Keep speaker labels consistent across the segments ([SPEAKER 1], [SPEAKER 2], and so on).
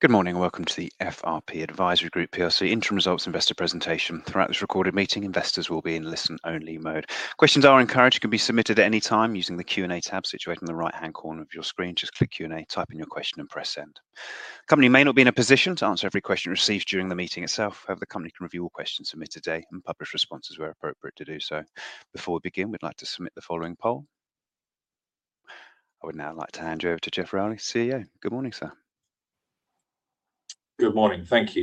[SPEAKER 1] Good morning and welcome to the FRP Advisory Group PLC interim results investor presentation. Throughout this recorded meeting, investors will be in listen-only mode. Questions are encouraged. Questions can be submitted at any time using the Q&A tab situated in the right-hand corner of your screen. Just click Q&A, type in your question, and press send. The company may not be in a position to answer every question received during the meeting itself. However, the company can review all questions submitted today and publish responses where appropriate to do so. Before we begin, we'd like to submit the following poll. I would now like to hand you over to Geoff Rowley, CEO. Good morning, sir.
[SPEAKER 2] Good morning. Thank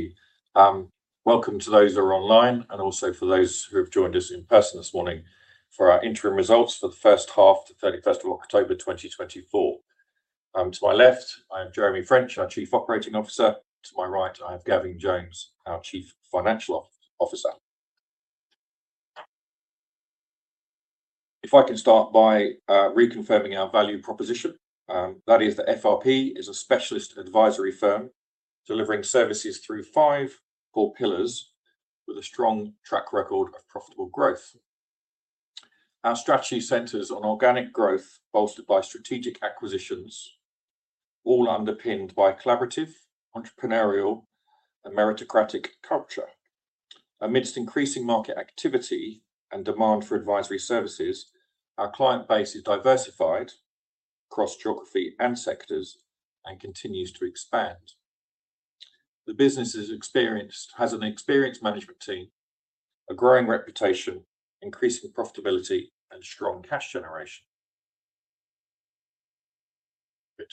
[SPEAKER 2] you. Welcome to those who are online and also for those who have joined us in person this morning for our interim results for the first half to 31st of October 2024. To my left, I have Jeremy French, our Chief Operating Officer. To my right, I have Gavin Jones, our Chief Financial Officer. If I can start by reconfirming our value proposition, that is, the FRP is a specialist advisory firm delivering services through five core pillars with a strong track record of profitable growth. Our strategy centers on organic growth bolstered by strategic acquisitions, all underpinned by a collaborative, entrepreneurial, and meritocratic culture. Amidst increasing market activity and demand for advisory services, our client base is diversified across geography and sectors and continues to expand. The business has an experienced management team, a growing reputation, increasing profitability, and strong cash generation. In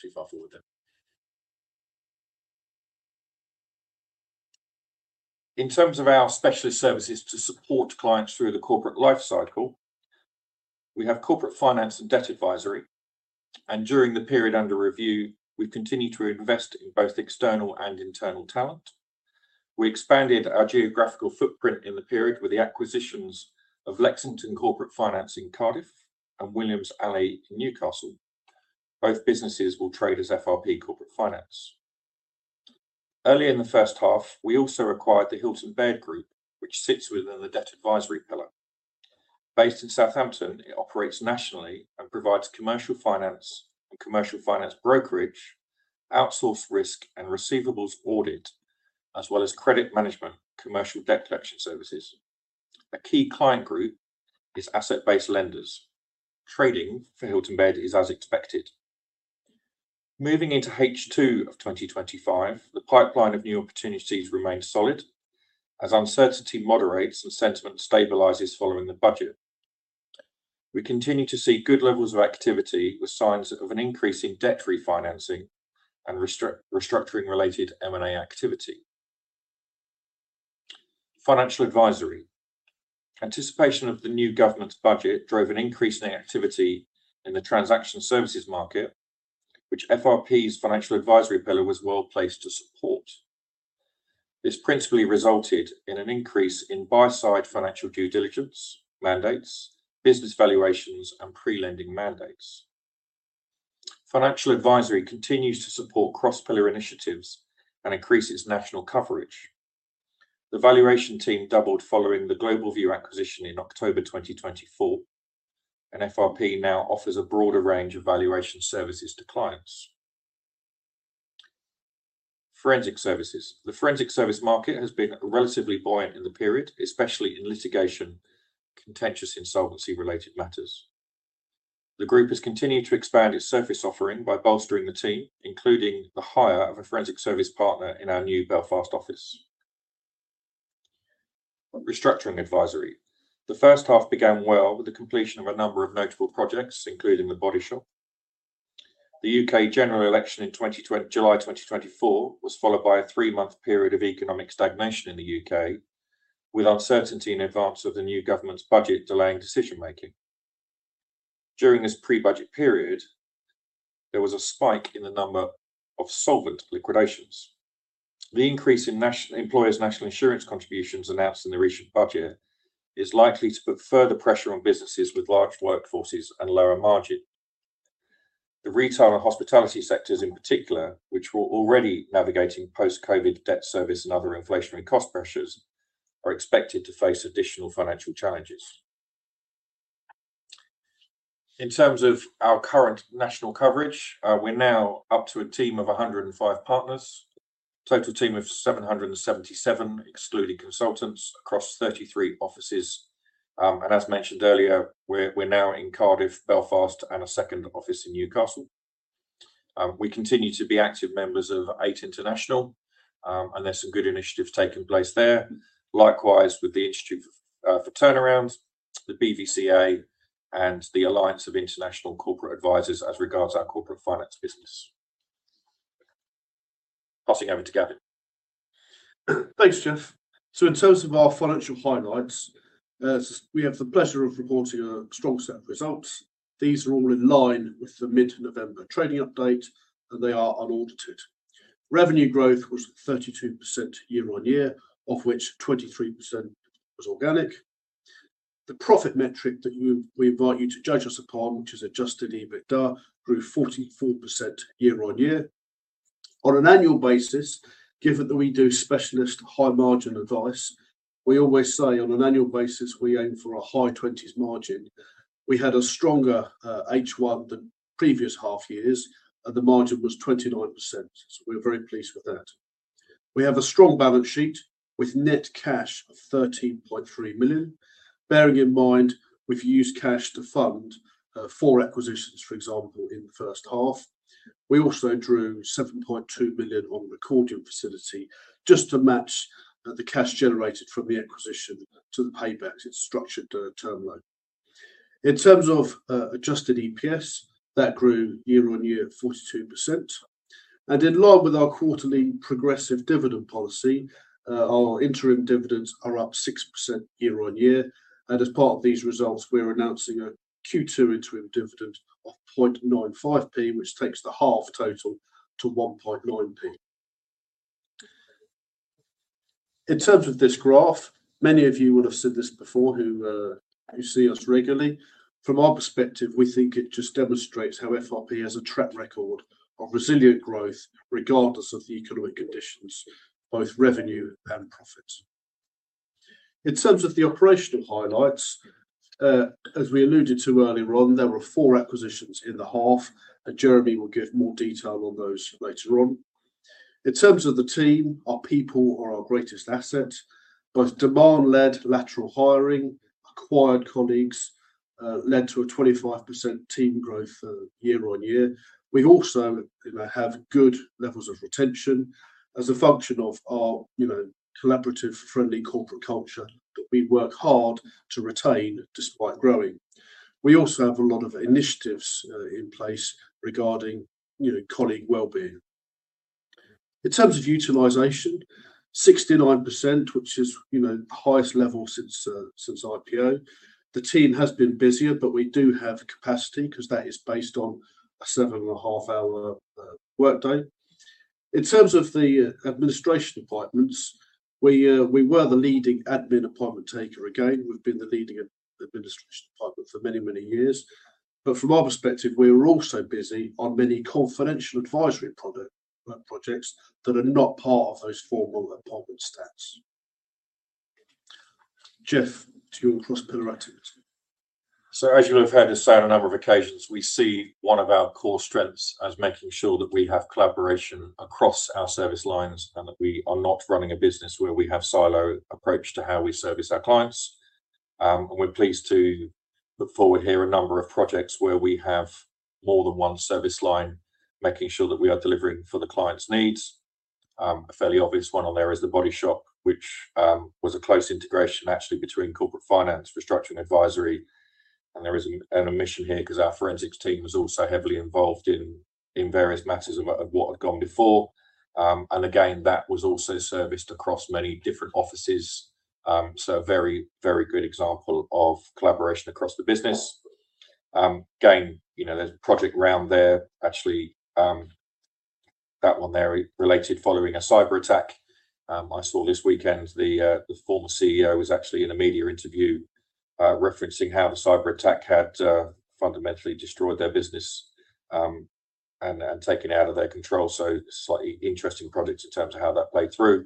[SPEAKER 2] terms of our specialist services to support clients through the corporate life cycle, we have Corporate Finance and Debt Advisory, and during the period under review, we've continued to invest in both external and internal talent. We expanded our geographical footprint in the period with the acquisitions of Lexington Corporate Finance in Cardiff and WilliamsAli in Newcastle. Both businesses will trade as FRP Corporate Finance. Earlier in the first half, we also acquired the Hilton-Baird Group, which sits within the Debt Advisory pillar. Based in Southampton, it operates nationally and provides commercial finance and commercial finance brokerage, outsource risk and receivables audit, as well as credit management and commercial debt collection services. A key client group is asset-based lenders. Trading for Hilton-Baird is as expected. Moving into H2 of 2025, the pipeline of new opportunities remains solid as uncertainty moderates and sentiment stabilizes following the budget. We continue to see good levels of activity with signs of an increase in debt refinancing and restructuring-related M&A activity. Financial Advisory anticipation of the new government's budget drove an increase in activity in the transaction services market, which FRP's Financial Advisory pillar was well placed to support. This principally resulted in an increase in buy-side financial due diligence mandates, business valuations, and pre-lending mandates. Financial Advisory continues to support cross-pillar initiatives and increase its national coverage. The valuation team doubled following the Globalview acquisition in October 2024, and FRP now offers a broader range of valuation services to clients. Forensic Services. The Forensic Service market has been relatively buoyant in the period, especially in litigation, contentious, and solvency-related matters. The group has continued to expand its service offering by bolstering the team, including the hire of a Forensic Service Partner in our new Belfast office. Restructuring Advisory. The first half began well with the completion of a number of notable projects, including The Body Shop. The U.K. general election in July 2024 was followed by a three-month period of economic stagnation in the U.K., with uncertainty in advance of the new government's budget delaying decision-making. During this pre-budget period, there was a spike in the number of solvent liquidations. The increase in employers' national insurance contributions announced in the recent budget is likely to put further pressure on businesses with large workforces and lower margins. The retail and hospitality sectors, in particular, which were already navigating post-COVID debt service and other inflationary cost pressures, are expected to face additional financial challenges. In terms of our current national coverage, we're now up to a team of 105 partners, a total team of 777 excluding consultants across 33 offices. And as mentioned earlier, we're now in Cardiff, Belfast, and a second office in Newcastle. We continue to be active members of Eight International, and there's some good initiatives taking place there. Likewise, with the Insitute for Turnaround, the BVCA, and the Alliance of International Corporate Advisers as regards our Corporate Finance business. Passing over to Gavin.
[SPEAKER 3] Thanks, Geoff. So in terms of our financial highlights, we have the pleasure of reporting a strong set of results. These are all in line with the mid-November trading update, and they are unaudited. Revenue growth was 32% year-on-year, of which 23% was organic. The profit metric that we invite you to judge us upon, which is Adjusted EBITDA, grew 44% year-on-year. On an annual basis, given that we do specialist high-margin advice, we always say on an annual basis, we aim for a high 20s margin. We had a stronger H1 than previous half years, and the margin was 29%. So we're very pleased with that. We have a strong balance sheet with net cash of 13.3 million, bearing in mind we've used cash to fund four acquisitions, for example, in the first half. We also drew 7.2 million on revolving facility just to match the cash generated from the acquisition to the payback. It's structured to the terminal. In terms of Adjusted EPS, that grew year-on-year at 42%, and in line with our quarterly progressive dividend policy, our interim dividends are up 6% year-on-year, and as part of these results, we're announcing a Q2 interim dividend of 0.95, which takes the half total to 1.9. In terms of this graph, many of you will have seen this before who see us regularly. From our perspective, we think it just demonstrates how FRP has a track record of resilient growth regardless of the economic conditions, both revenue and profits. In terms of the operational highlights, as we alluded to earlier on, there were four acquisitions in the half, and Jeremy will give more detail on those later on. In terms of the team, our people are our greatest asset. Both demand-led lateral hiring, acquired colleagues led to a 25% team growth year-on-year. We also have good levels of retention as a function of our collaborative, friendly corporate culture that we work hard to retain despite growing. We also have a lot of initiatives in place regarding colleague well-being. In terms of utilization, 69%, which is the highest level since IPO. The team has been busier, but we do have capacity because that is based on a seven-and-a-half-hour workday. In terms of the administration appointments, we were the leading administration appointment taker again. We've been the leading administration appointment for many, many years, but from our perspective, we are also busy on many confidential advisory projects that are not part of those formal appointment stats. Geoff, to your cross-pillar activity.
[SPEAKER 2] So as you'll have heard us say on a number of occasions, we see one of our core strengths as making sure that we have collaboration across our service lines and that we are not running a business where we have a silo approach to how we service our clients, and we're pleased to put forward here a number of projects where we have more than one service line, making sure that we are delivering for the client's needs. A fairly obvious one on there is The Body Shop, which was a close integration actually between Corporate Finance, Restructuring Advisory, and there is an omission here because our forensics team was also heavily involved in various matters of what had gone before, and again, that was also serviced across many different offices. So a very, very good example of collaboration across the business. Again, there's a project round there. Actually, that one there, related following a cyber attack. I saw this weekend the former CEO was actually in a media interview referencing how the cyber attack had fundamentally destroyed their business and taken it out of their control, so slightly interesting projects in terms of how that played through,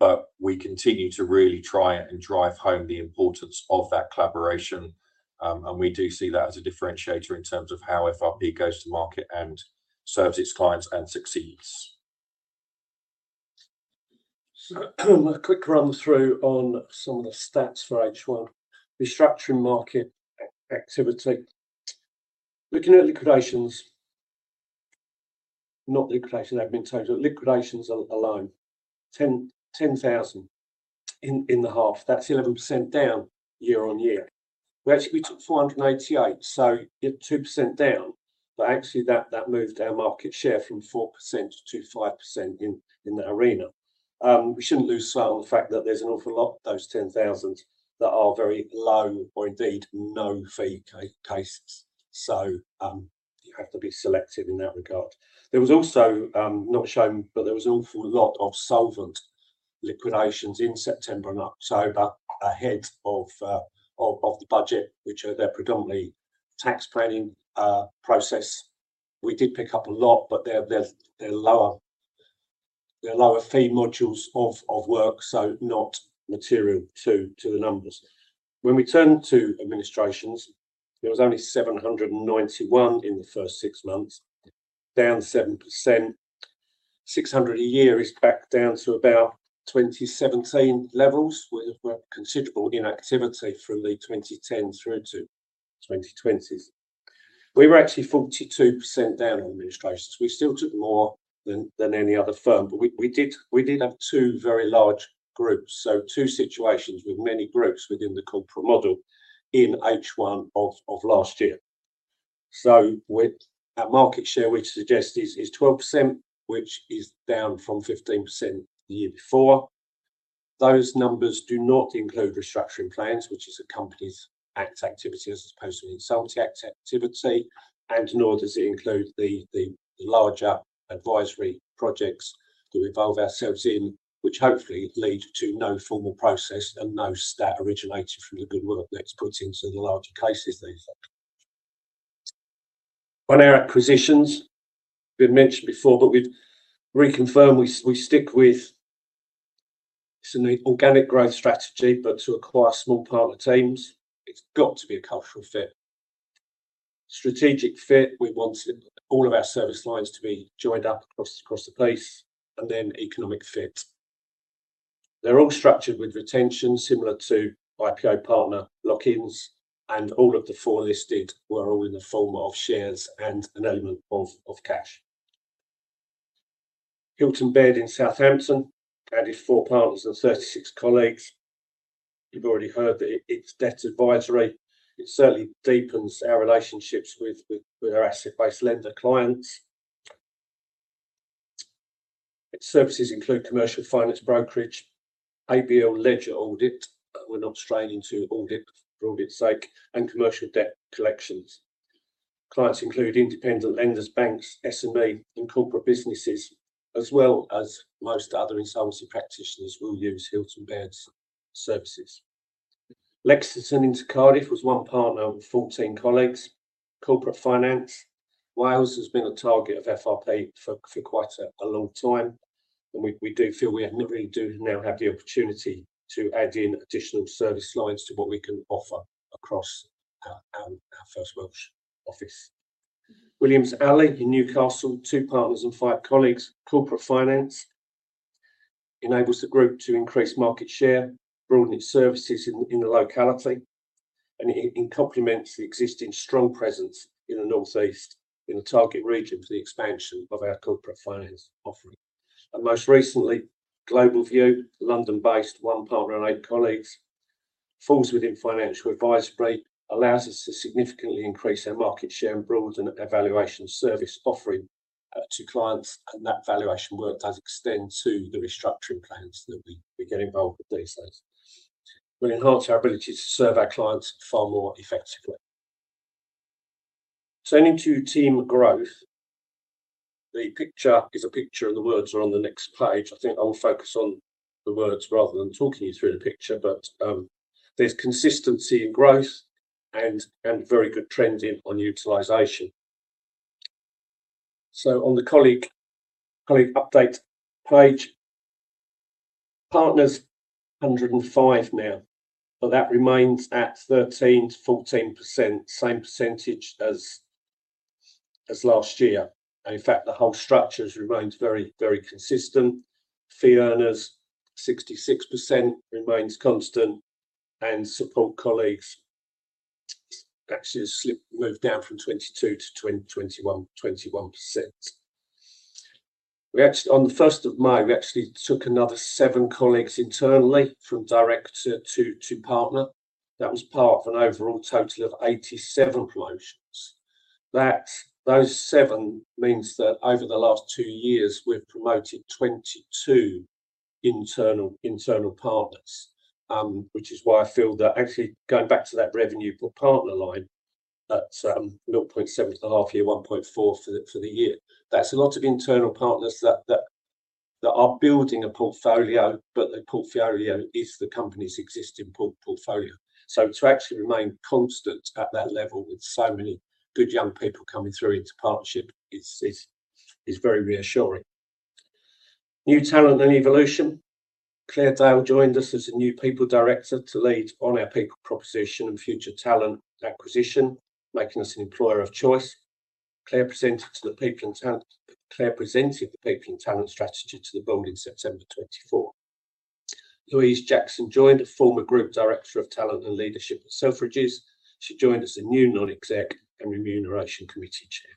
[SPEAKER 2] but we continue to really try and drive home the importance of that collaboration, and we do see that as a differentiator in terms of how FRP goes to market and serves its clients and succeeds.
[SPEAKER 4] A quick run-through on some of the stats for H1. Restructuring market activity. Looking at liquidations, not administrations, but liquidations alone, 10,000 in the half. That's 11% down year-on-year. We took 488, so you're 2% down. But actually, that moved our market share from 4% to 5% in that arena. We shouldn't lose sight of the fact that there's an awful lot of those 10,000 that are very low or indeed no fee cases. So you have to be selective in that regard. There was also not shown, but there was an awful lot of solvent liquidations in September and October ahead of the budget, which are they're predominantly tax planning process. We did pick up a lot, but they're lower fee modules of work, so not material to the numbers. When we turn to administrations, there was only 791 in the first six months, down 7%. 600 a year is back down to about 2017 levels with considerable inactivity from the 2010 through to 2020s. We were actually 42% down on administrations. We still took more than any other firm, but we did have two very large groups, so two situations with many groups within the corporate model in H1 of last year. So our market share, which suggests, is 12%, which is down from 15% the year before. Those numbers do not include restructuring plans, which is a Companies Act activity as opposed to an Insolvency Act activity. And nor does it include the larger advisory projects that we involve ourselves in, which hopefully lead to no formal process and no stat originating from the goodwill that's put into the larger cases. On our acquisitions, we've mentioned before, but we've reconfirmed we stick with an organic growth strategy, but to acquire small partner teams, it's got to be a cultural fit. Strategic fit, we want all of our service lines to be joined up across the place, and then economic fit. They're all structured with retention similar to IPO partner lock-ins, and all of the four listed were all in the form of shares and an element of cash. Hilton-Baird in Southampton added four partners and 36 colleagues. You've already heard that it's Debt Advisory. It certainly deepens our relationships with our asset-based lender clients. Its services include commercial finance brokerage, ABL ledger audit. We're not straining to audit for audit's sake, and commercial debt collections. Clients include independent lenders, banks, SME, and corporate businesses, as well as most other insolvency practitioners will use Hilton-Baird's services. Lexington in Cardiff was one partner with 14 colleagues. Corporate Finance, Wales, has been a target of FRP for quite a long time. We do feel we really do now have the opportunity to add in additional service lines to what we can offer across our first Welsh office. WilliamsAli in Newcastle, two partners and five colleagues. Corporate Finance enables the group to increase market share, broaden its services in the locality, and it complements the existing strong presence in the North East in the target region for the expansion of our Corporate Finance offering. Most recently, Globalview, London-based, one partner and eight colleagues, falls within Financial Advisory, allows us to significantly increase our market share and broaden our valuation service offering to clients. That valuation work does extend to the restructuring plans that we get involved with these days. We enhance our ability to serve our clients far more effectively. Turning to team growth, the picture is a picture and the words are on the next page. I think I'll focus on the words rather than talking you through the picture, but there's consistency in growth and very good trending on utilization. So on the colleague update page, partners, 105 now, but that remains at 13%-14%, same percentage as last year. And in fact, the whole structure has remained very, very consistent. Fee earners, 66% remains constant, and support colleagues actually moved down from 22% to 21%, 21%. On the 1st of May, we actually took another seven colleagues internally from director to partner. That was part of an overall total of 87 promotions. Those seven means that over the last two years, we've promoted 22 internal partners, which is why I feel that actually going back to that revenue per partner line, that's 0.7 for the half year, 1.4 for the year. That's a lot of internal partners that are building a portfolio, but the portfolio is the company's existing portfolio. So to actually remain constant at that level with so many good young people coming through into partnership is very reassuring. New talent and evolution. Claire Dale joined us as a new People Director to lead on our people proposition and future talent acquisition, making us an employer of choice. Claire presented the people and talent strategy to the Board in September 2024. Louise Jackson joined, a former group director of talent and leadership at Selfridges. She joined as a new Non-Exec and Remuneration Committee Chair.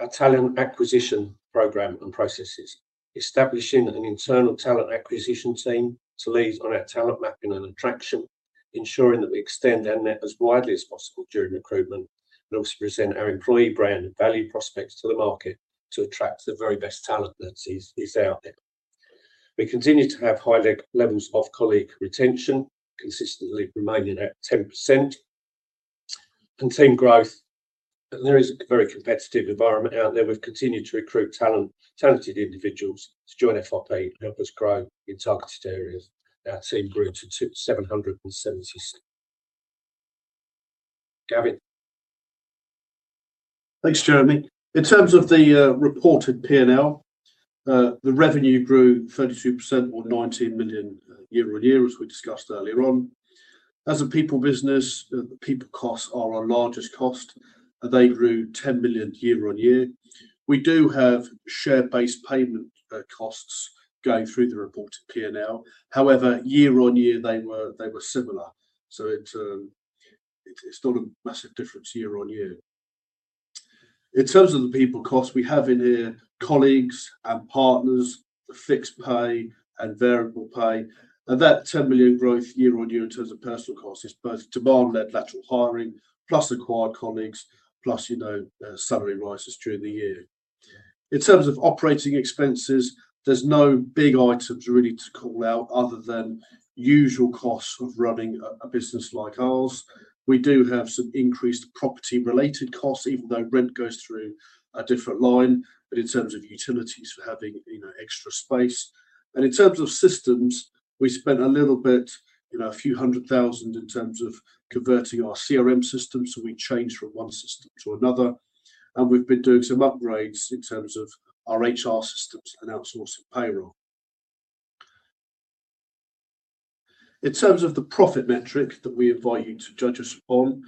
[SPEAKER 4] Our talent acquisition program and processes, establishing an internal talent acquisition team to lead on our talent mapping and attraction, ensuring that we extend our net as widely as possible during recruitment, and also present our employee brand and value prospects to the market to attract the very best talent that is out there. We continue to have high levels of colleague retention, consistently remaining at 10%, and team growth, there is a very competitive environment out there. We've continued to recruit talented individuals to join FRP and help us grow in targeted areas. Our team grew to 776. Gavin.
[SPEAKER 3] Thanks, Jeremy. In terms of the reported P&L, the revenue grew 32% or 19 million year-on-year, as we discussed earlier on. As a people business, the people costs are our largest cost. They grew 10 million year-on-year. We do have share-based payment costs going through the reported P&L. However, year-on-year, they were similar. So it's not a massive difference year-on-year. In terms of the people costs, we have in here colleagues and partners, the fixed pay and variable pay. That 10 million growth year-on-year in terms of personnel costs is both demand-led lateral hiring, plus acquired colleagues, plus salary rises during the year. In terms of operating expenses, there's no big items really to call out other than usual costs of running a business like ours. We do have some increased property-related costs, even though rent goes through a different line, but in terms of utilities for having extra space. In terms of systems, we spent a little bit, a few hundred thousand GBP in terms of converting our CRM system. We changed from one system to another. We've been doing some upgrades in terms of our HR systems and outsourcing payroll. In terms of the profit metric that we invite you to judge us upon,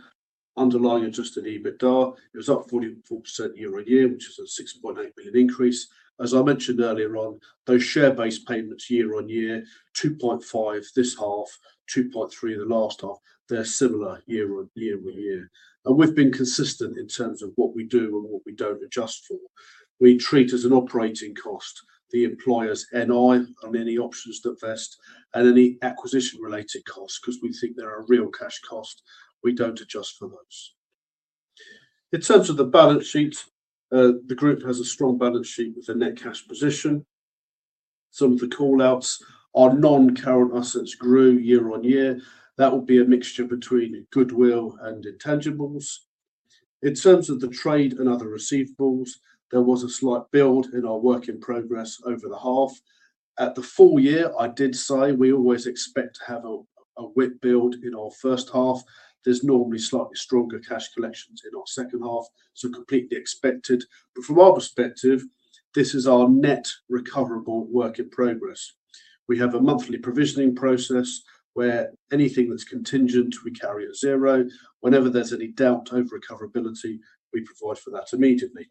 [SPEAKER 3] underlying Adjusted EBITDA, it was up 44% year-on-year, which is a 6.8 million increase. As I mentioned earlier on, those share-based payments year-on-year, 2.5 million this half, 2.3 million the last half, they're similar year-on-year. We've been consistent in terms of what we do and what we don't adjust for. We treat as an operating cost the employer's NI and any options that vest and any acquisition-related costs because we think they're a real cash cost. We don't adjust for those. In terms of the balance sheet, the group has a strong balance sheet with a net cash position. Some of the callouts are non-current assets grew year-on-year. That would be a mixture between goodwill and intangibles. In terms of the trade and other receivables, there was a slight build in our work in progress over the half. At the full year, I did say we always expect to have a WIP build in our first half. There's normally slightly stronger cash collections in our second half, so completely expected. But from our perspective, this is our net recoverable work in progress. We have a monthly provisioning process where anything that's contingent, we carry at zero. Whenever there's any doubt over recoverability, we provide for that immediately.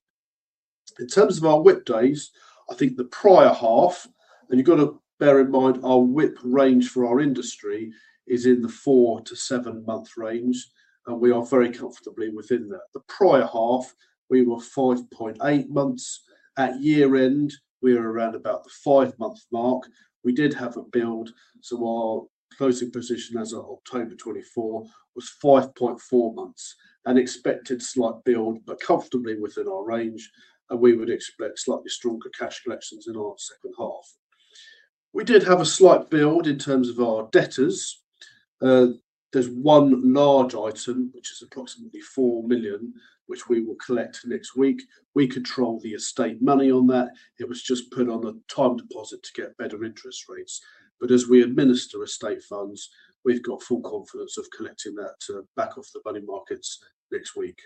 [SPEAKER 3] In terms of our WIP days, I think the prior half, and you've got to bear in mind our WIP range for our industry is in the four to seven month range, and we are very comfortably within that. The prior half, we were 5.8 months. At year-end, we were around about the five-month mark. We did have a build, so our closing position as of October 2024 was 5.4 months and expected slight build, but comfortably within our range. And we would expect slightly stronger cash collections in our second half. We did have a slight build in terms of our debtors. There's one large item, which is approximately 4 million, which we will collect next week. We control the estate money on that. It was just put on a time deposit to get better interest rates. But as we administer estate funds, we've got full confidence of collecting that back off the money markets next week.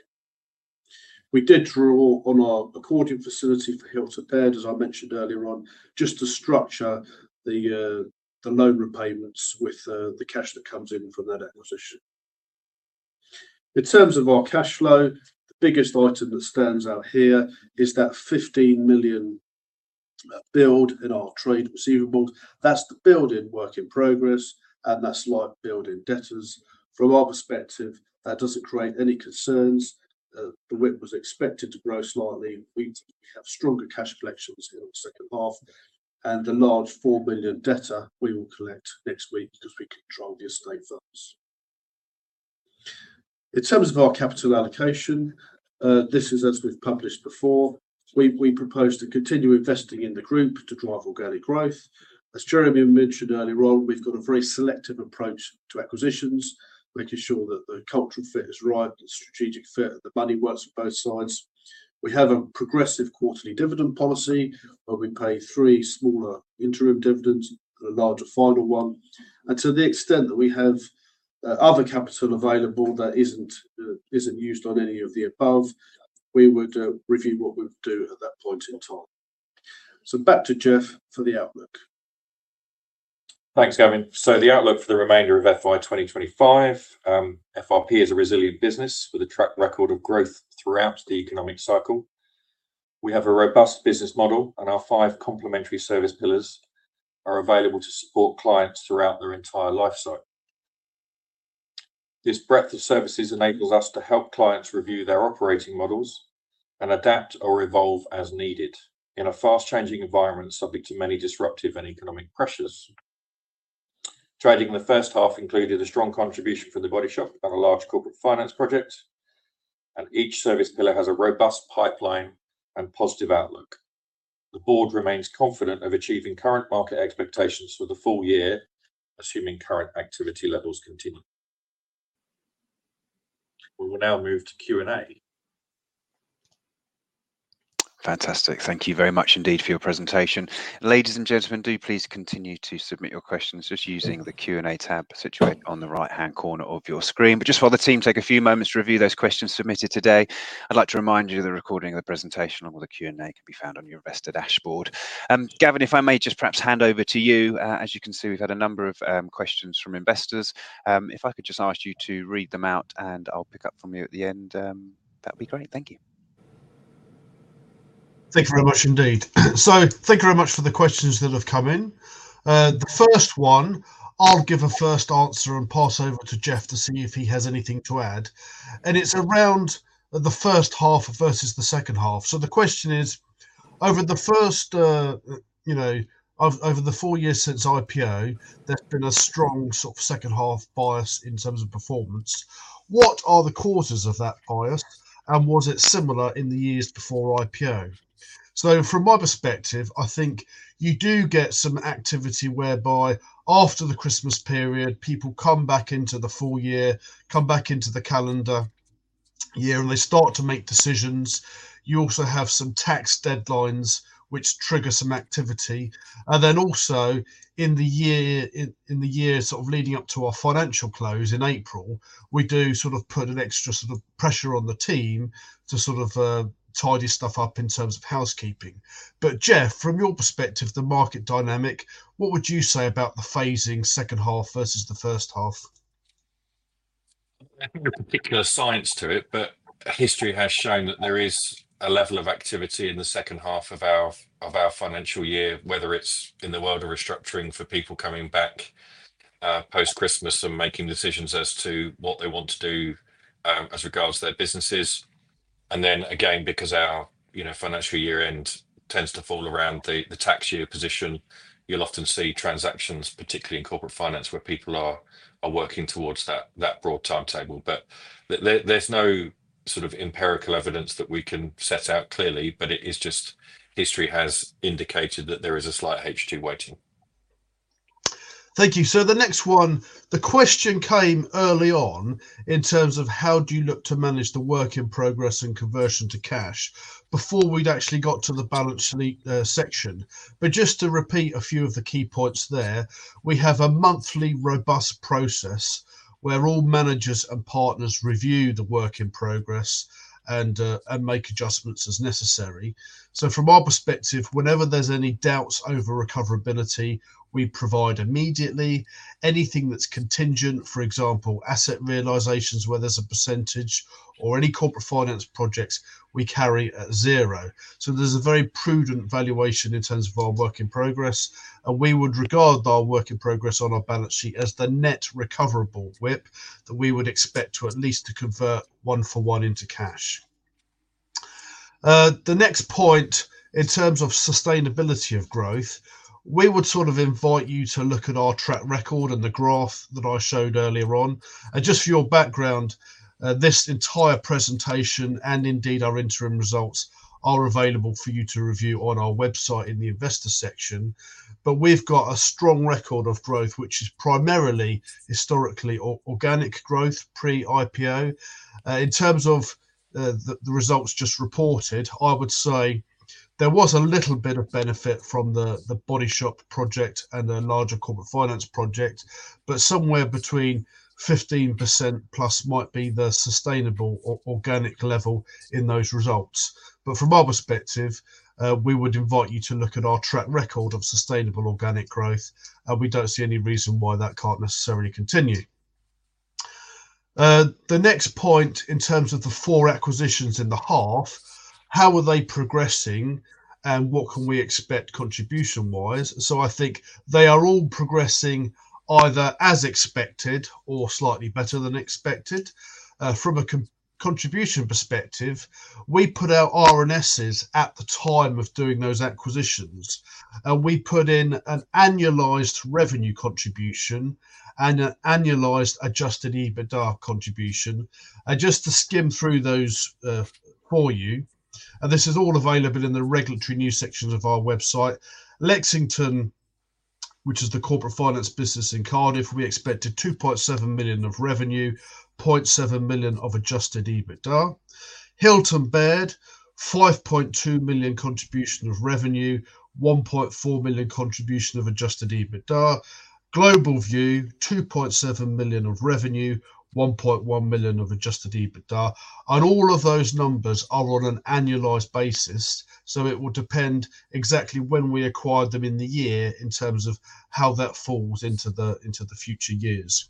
[SPEAKER 3] We did draw on our accordion facility for Hilton-Baird, as I mentioned earlier on, just to structure the loan repayments with the cash that comes in from that acquisition. In terms of our cash flow, the biggest item that stands out here is that 15 million build in our trade receivables. That's the build in work in progress, and that's slight build in debtors. From our perspective, that doesn't create any concerns. The WIP was expected to grow slightly. We have stronger cash collections here in the second half. And the large 4 million debtor we will collect next week because we control the estate funds. In terms of our capital allocation, this is as we've published before. We propose to continue investing in the group to drive organic growth. As Jeremy mentioned earlier on, we've got a very selective approach to acquisitions, making sure that the cultural fit is right, the strategic fit, and the money works on both sides. We have a progressive quarterly dividend policy where we pay three smaller interim dividends and a larger final one. And to the extent that we have other capital available that isn't used on any of the above, we would review what we would do at that point in time. So back to Geoff for the outlook.
[SPEAKER 2] Thanks, Gavin. So the outlook for the remainder of FY 2025, FRP is a resilient business with a track record of growth throughout the economic cycle. We have a robust business model, and our five complementary service pillars are available to support clients throughout their entire lifecycle. This breadth of services enables us to help clients review their operating models and adapt or evolve as needed in a fast-changing environment subject to many disruptive and economic pressures. Trading in the first half included a strong contribution from The Body Shop and a large Corporate Finance project. And each service pillar has a robust pipeline and positive outlook. The Board remains confident of achieving current market expectations for the full year, assuming current activity levels continue. We will now move to Q&A.
[SPEAKER 1] Fantastic. Thank you very much indeed for your presentation. Ladies and gentlemen, do please continue to submit your questions just using the Q&A tab situated on the right-hand corner of your screen. But just while the team take a few moments to review those questions submitted today, I'd like to remind you of the recording of the presentation along with the Q&A can be found on your investor dashboard. Gavin, if I may just perhaps hand over to you. As you can see, we've had a number of questions from investors. If I could just ask you to read them out and I'll pick up from you at the end, that would be great. Thank you.
[SPEAKER 3] Thank you very much indeed. Thank you very much for the questions that have come in. The first one, I'll give a first answer and pass over to Geoff to see if he has anything to add. It's around the first half versus the second half. The question is, over the four years since IPO, there's been a strong sort of second half bias in terms of performance. What are the causes of that bias? Was it similar in the years before IPO? From my perspective, I think you do get some activity whereby after the Christmas period, people come back into the full year, come back into the calendar year, and they start to make decisions. You also have some tax deadlines which trigger some activity. And then also in the year sort of leading up to our financial close in April, we do sort of put an extra sort of pressure on the team to sort of tidy stuff up in terms of housekeeping. But Geoff, from your perspective, the market dynamic, what would you say about the phasing second half versus the first half?
[SPEAKER 2] I think there's no particular science to it, but history has shown that there is a level of activity in the second half of our financial year, whether it's in the world of restructuring for people coming back post-Christmas and making decisions as to what they want to do as regards their businesses. And then again, because our financial year-end tends to fall around the tax year position, you'll often see transactions, particularly in Corporate Finance, where people are working towards that broad timetable. But there's no sort of empirical evidence that we can set out clearly, but it is just history has indicated that there is a slight uptick.
[SPEAKER 3] Thank you. So the next one, the question came early on in terms of how do you look to manage the work in progress and conversion to cash before we'd actually got to the balance sheet section, but just to repeat a few of the key points there, we have a monthly robust process where all managers and partners review the work in progress and make adjustments as necessary, so from our perspective, whenever there's any doubts over recoverability, we provision immediately. Anything that's contingent, for example, asset realizations where there's a percentage or any Corporate Finance projects, we carry at zero, so there's a very prudent valuation in terms of our work in progress, and we would regard our work in progress on our balance sheet as the net recoverable WIP that we would expect to at least convert one for one into cash. The next point, in terms of sustainability of growth, we would sort of invite you to look at our track record and the graph that I showed earlier on. And just for your background, this entire presentation and indeed our interim results are available for you to review on our website in the investor section. But we've got a strong record of growth, which is primarily historically organic growth pre-IPO. In terms of the results just reported, I would say there was a little bit of benefit from The Body Shop project and the larger Corporate Finance project, but somewhere between 15% plus might be the sustainable organic level in those results. But from our perspective, we would invite you to look at our track record of sustainable organic growth. And we don't see any reason why that can't necessarily continue. The next point, in terms of the four acquisitions in the half, how are they progressing and what can we expect contribution-wise? I think they are all progressing either as expected or slightly better than expected. From a contribution perspective, we put out RNSs at the time of doing those acquisitions. We put in an annualized revenue contribution and an annualized Adjusted EBITDA contribution. Just to skim through those for you, and this is all available in the regulatory news sections of our website. Lexington, which is the Corporate Finance business in Cardiff, we expected 2.7 million of revenue, 0.7 million of Adjusted EBITDA. Hilton-Baird, 5.2 million contribution of revenue, 1.4 million contribution of Adjusted EBITDA. Globalview, 2.7 million of revenue, 1.1 million of Adjusted EBITDA. All of those numbers are on an annualized basis. So it will depend exactly when we acquired them in the year in terms of how that falls into the future years.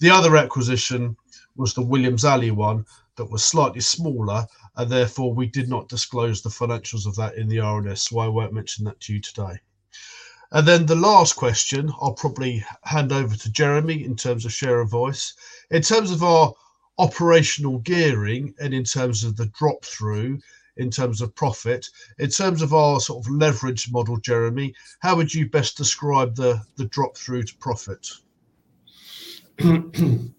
[SPEAKER 3] The other acquisition was the WilliamsAli one that was slightly smaller. And therefore, we did not disclose the financials of that in the RNS. So I won't mention that to you today. And then the last question, I'll probably hand over to Jeremy in terms of share of voice. In terms of our operational gearing and in terms of the drop-through in terms of profit, in terms of our sort of leverage model, Jeremy, how would you best describe the drop-through to profit?
[SPEAKER 4] The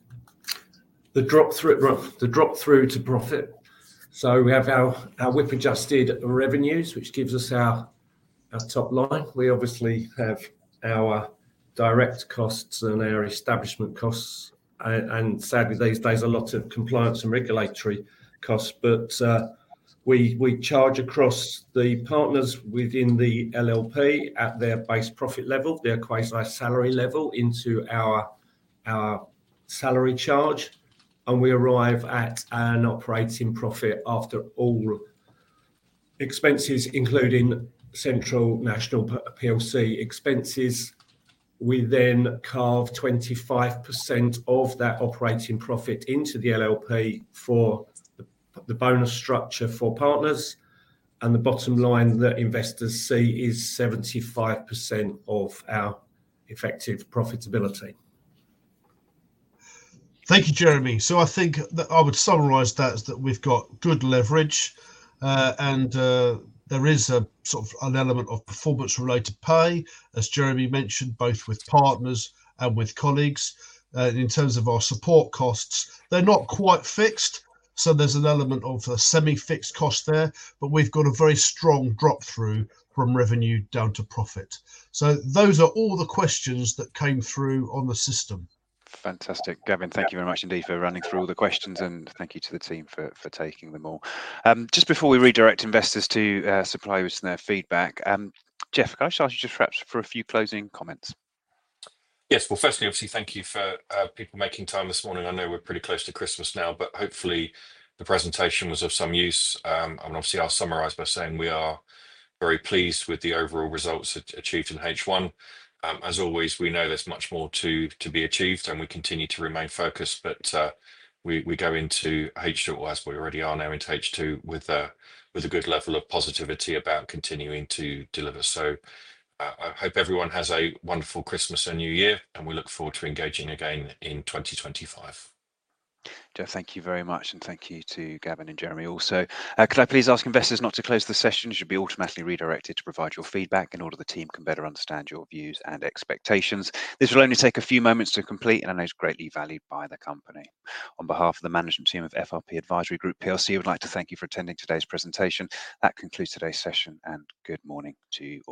[SPEAKER 4] drop-through to profit, so we have our WIP adjusted revenues, which gives us our top line. We obviously have our direct costs and our establishment costs, and sadly, these days, a lot of compliance and regulatory costs. But we charge across the partners within the LLP at their base profit level, their quasi-salary level into our salary charge. And we arrive at an operating profit after all expenses, including central and national PLC expenses. We then carve 25% of that operating profit into the LLP for the bonus structure for partners. And the bottom line that investors see is 75% of our effective profitability.
[SPEAKER 3] Thank you, Jeremy. So I think that I would summarize that as that we've got good leverage. And there is sort of an element of performance-related pay, as Jeremy mentioned, both with partners and with colleagues. In terms of our support costs, they're not quite fixed. So there's an element of a semi-fixed cost there. But we've got a very strong drop-through from revenue down to profit. So those are all the questions that came through on the system.
[SPEAKER 1] Fantastic. Gavin, thank you very much indeed for running through all the questions. And thank you to the team for taking them all. Just before we redirect investors to suppliers and their feedback, Geoff, can I just ask you just perhaps for a few closing comments?
[SPEAKER 2] Yes. Well, firstly, obviously, thank you for people making time this morning. I know we're pretty close to Christmas now, but hopefully, the presentation was of some use. And obviously, I'll summarize by saying we are very pleased with the overall results achieved in H1. As always, we know there's much more to be achieved, and we continue to remain focused. But we go into H2, or as we already are now into H2, with a good level of positivity about continuing to deliver. So I hope everyone has a wonderful Christmas and New Year, and we look forward to engaging again in 2025.
[SPEAKER 1] Geoff, thank you very much. And thank you to Gavin and Jeremy also. Could I please ask investors not to close the session? You should be automatically redirected to provide your feedback in order the team can better understand your views and expectations. This will only take a few moments to complete, and it is greatly valued by the company. On behalf of the management team of FRP Advisory Group PLC, we'd like to thank you for attending today's presentation. That concludes today's session, and good morning to you all.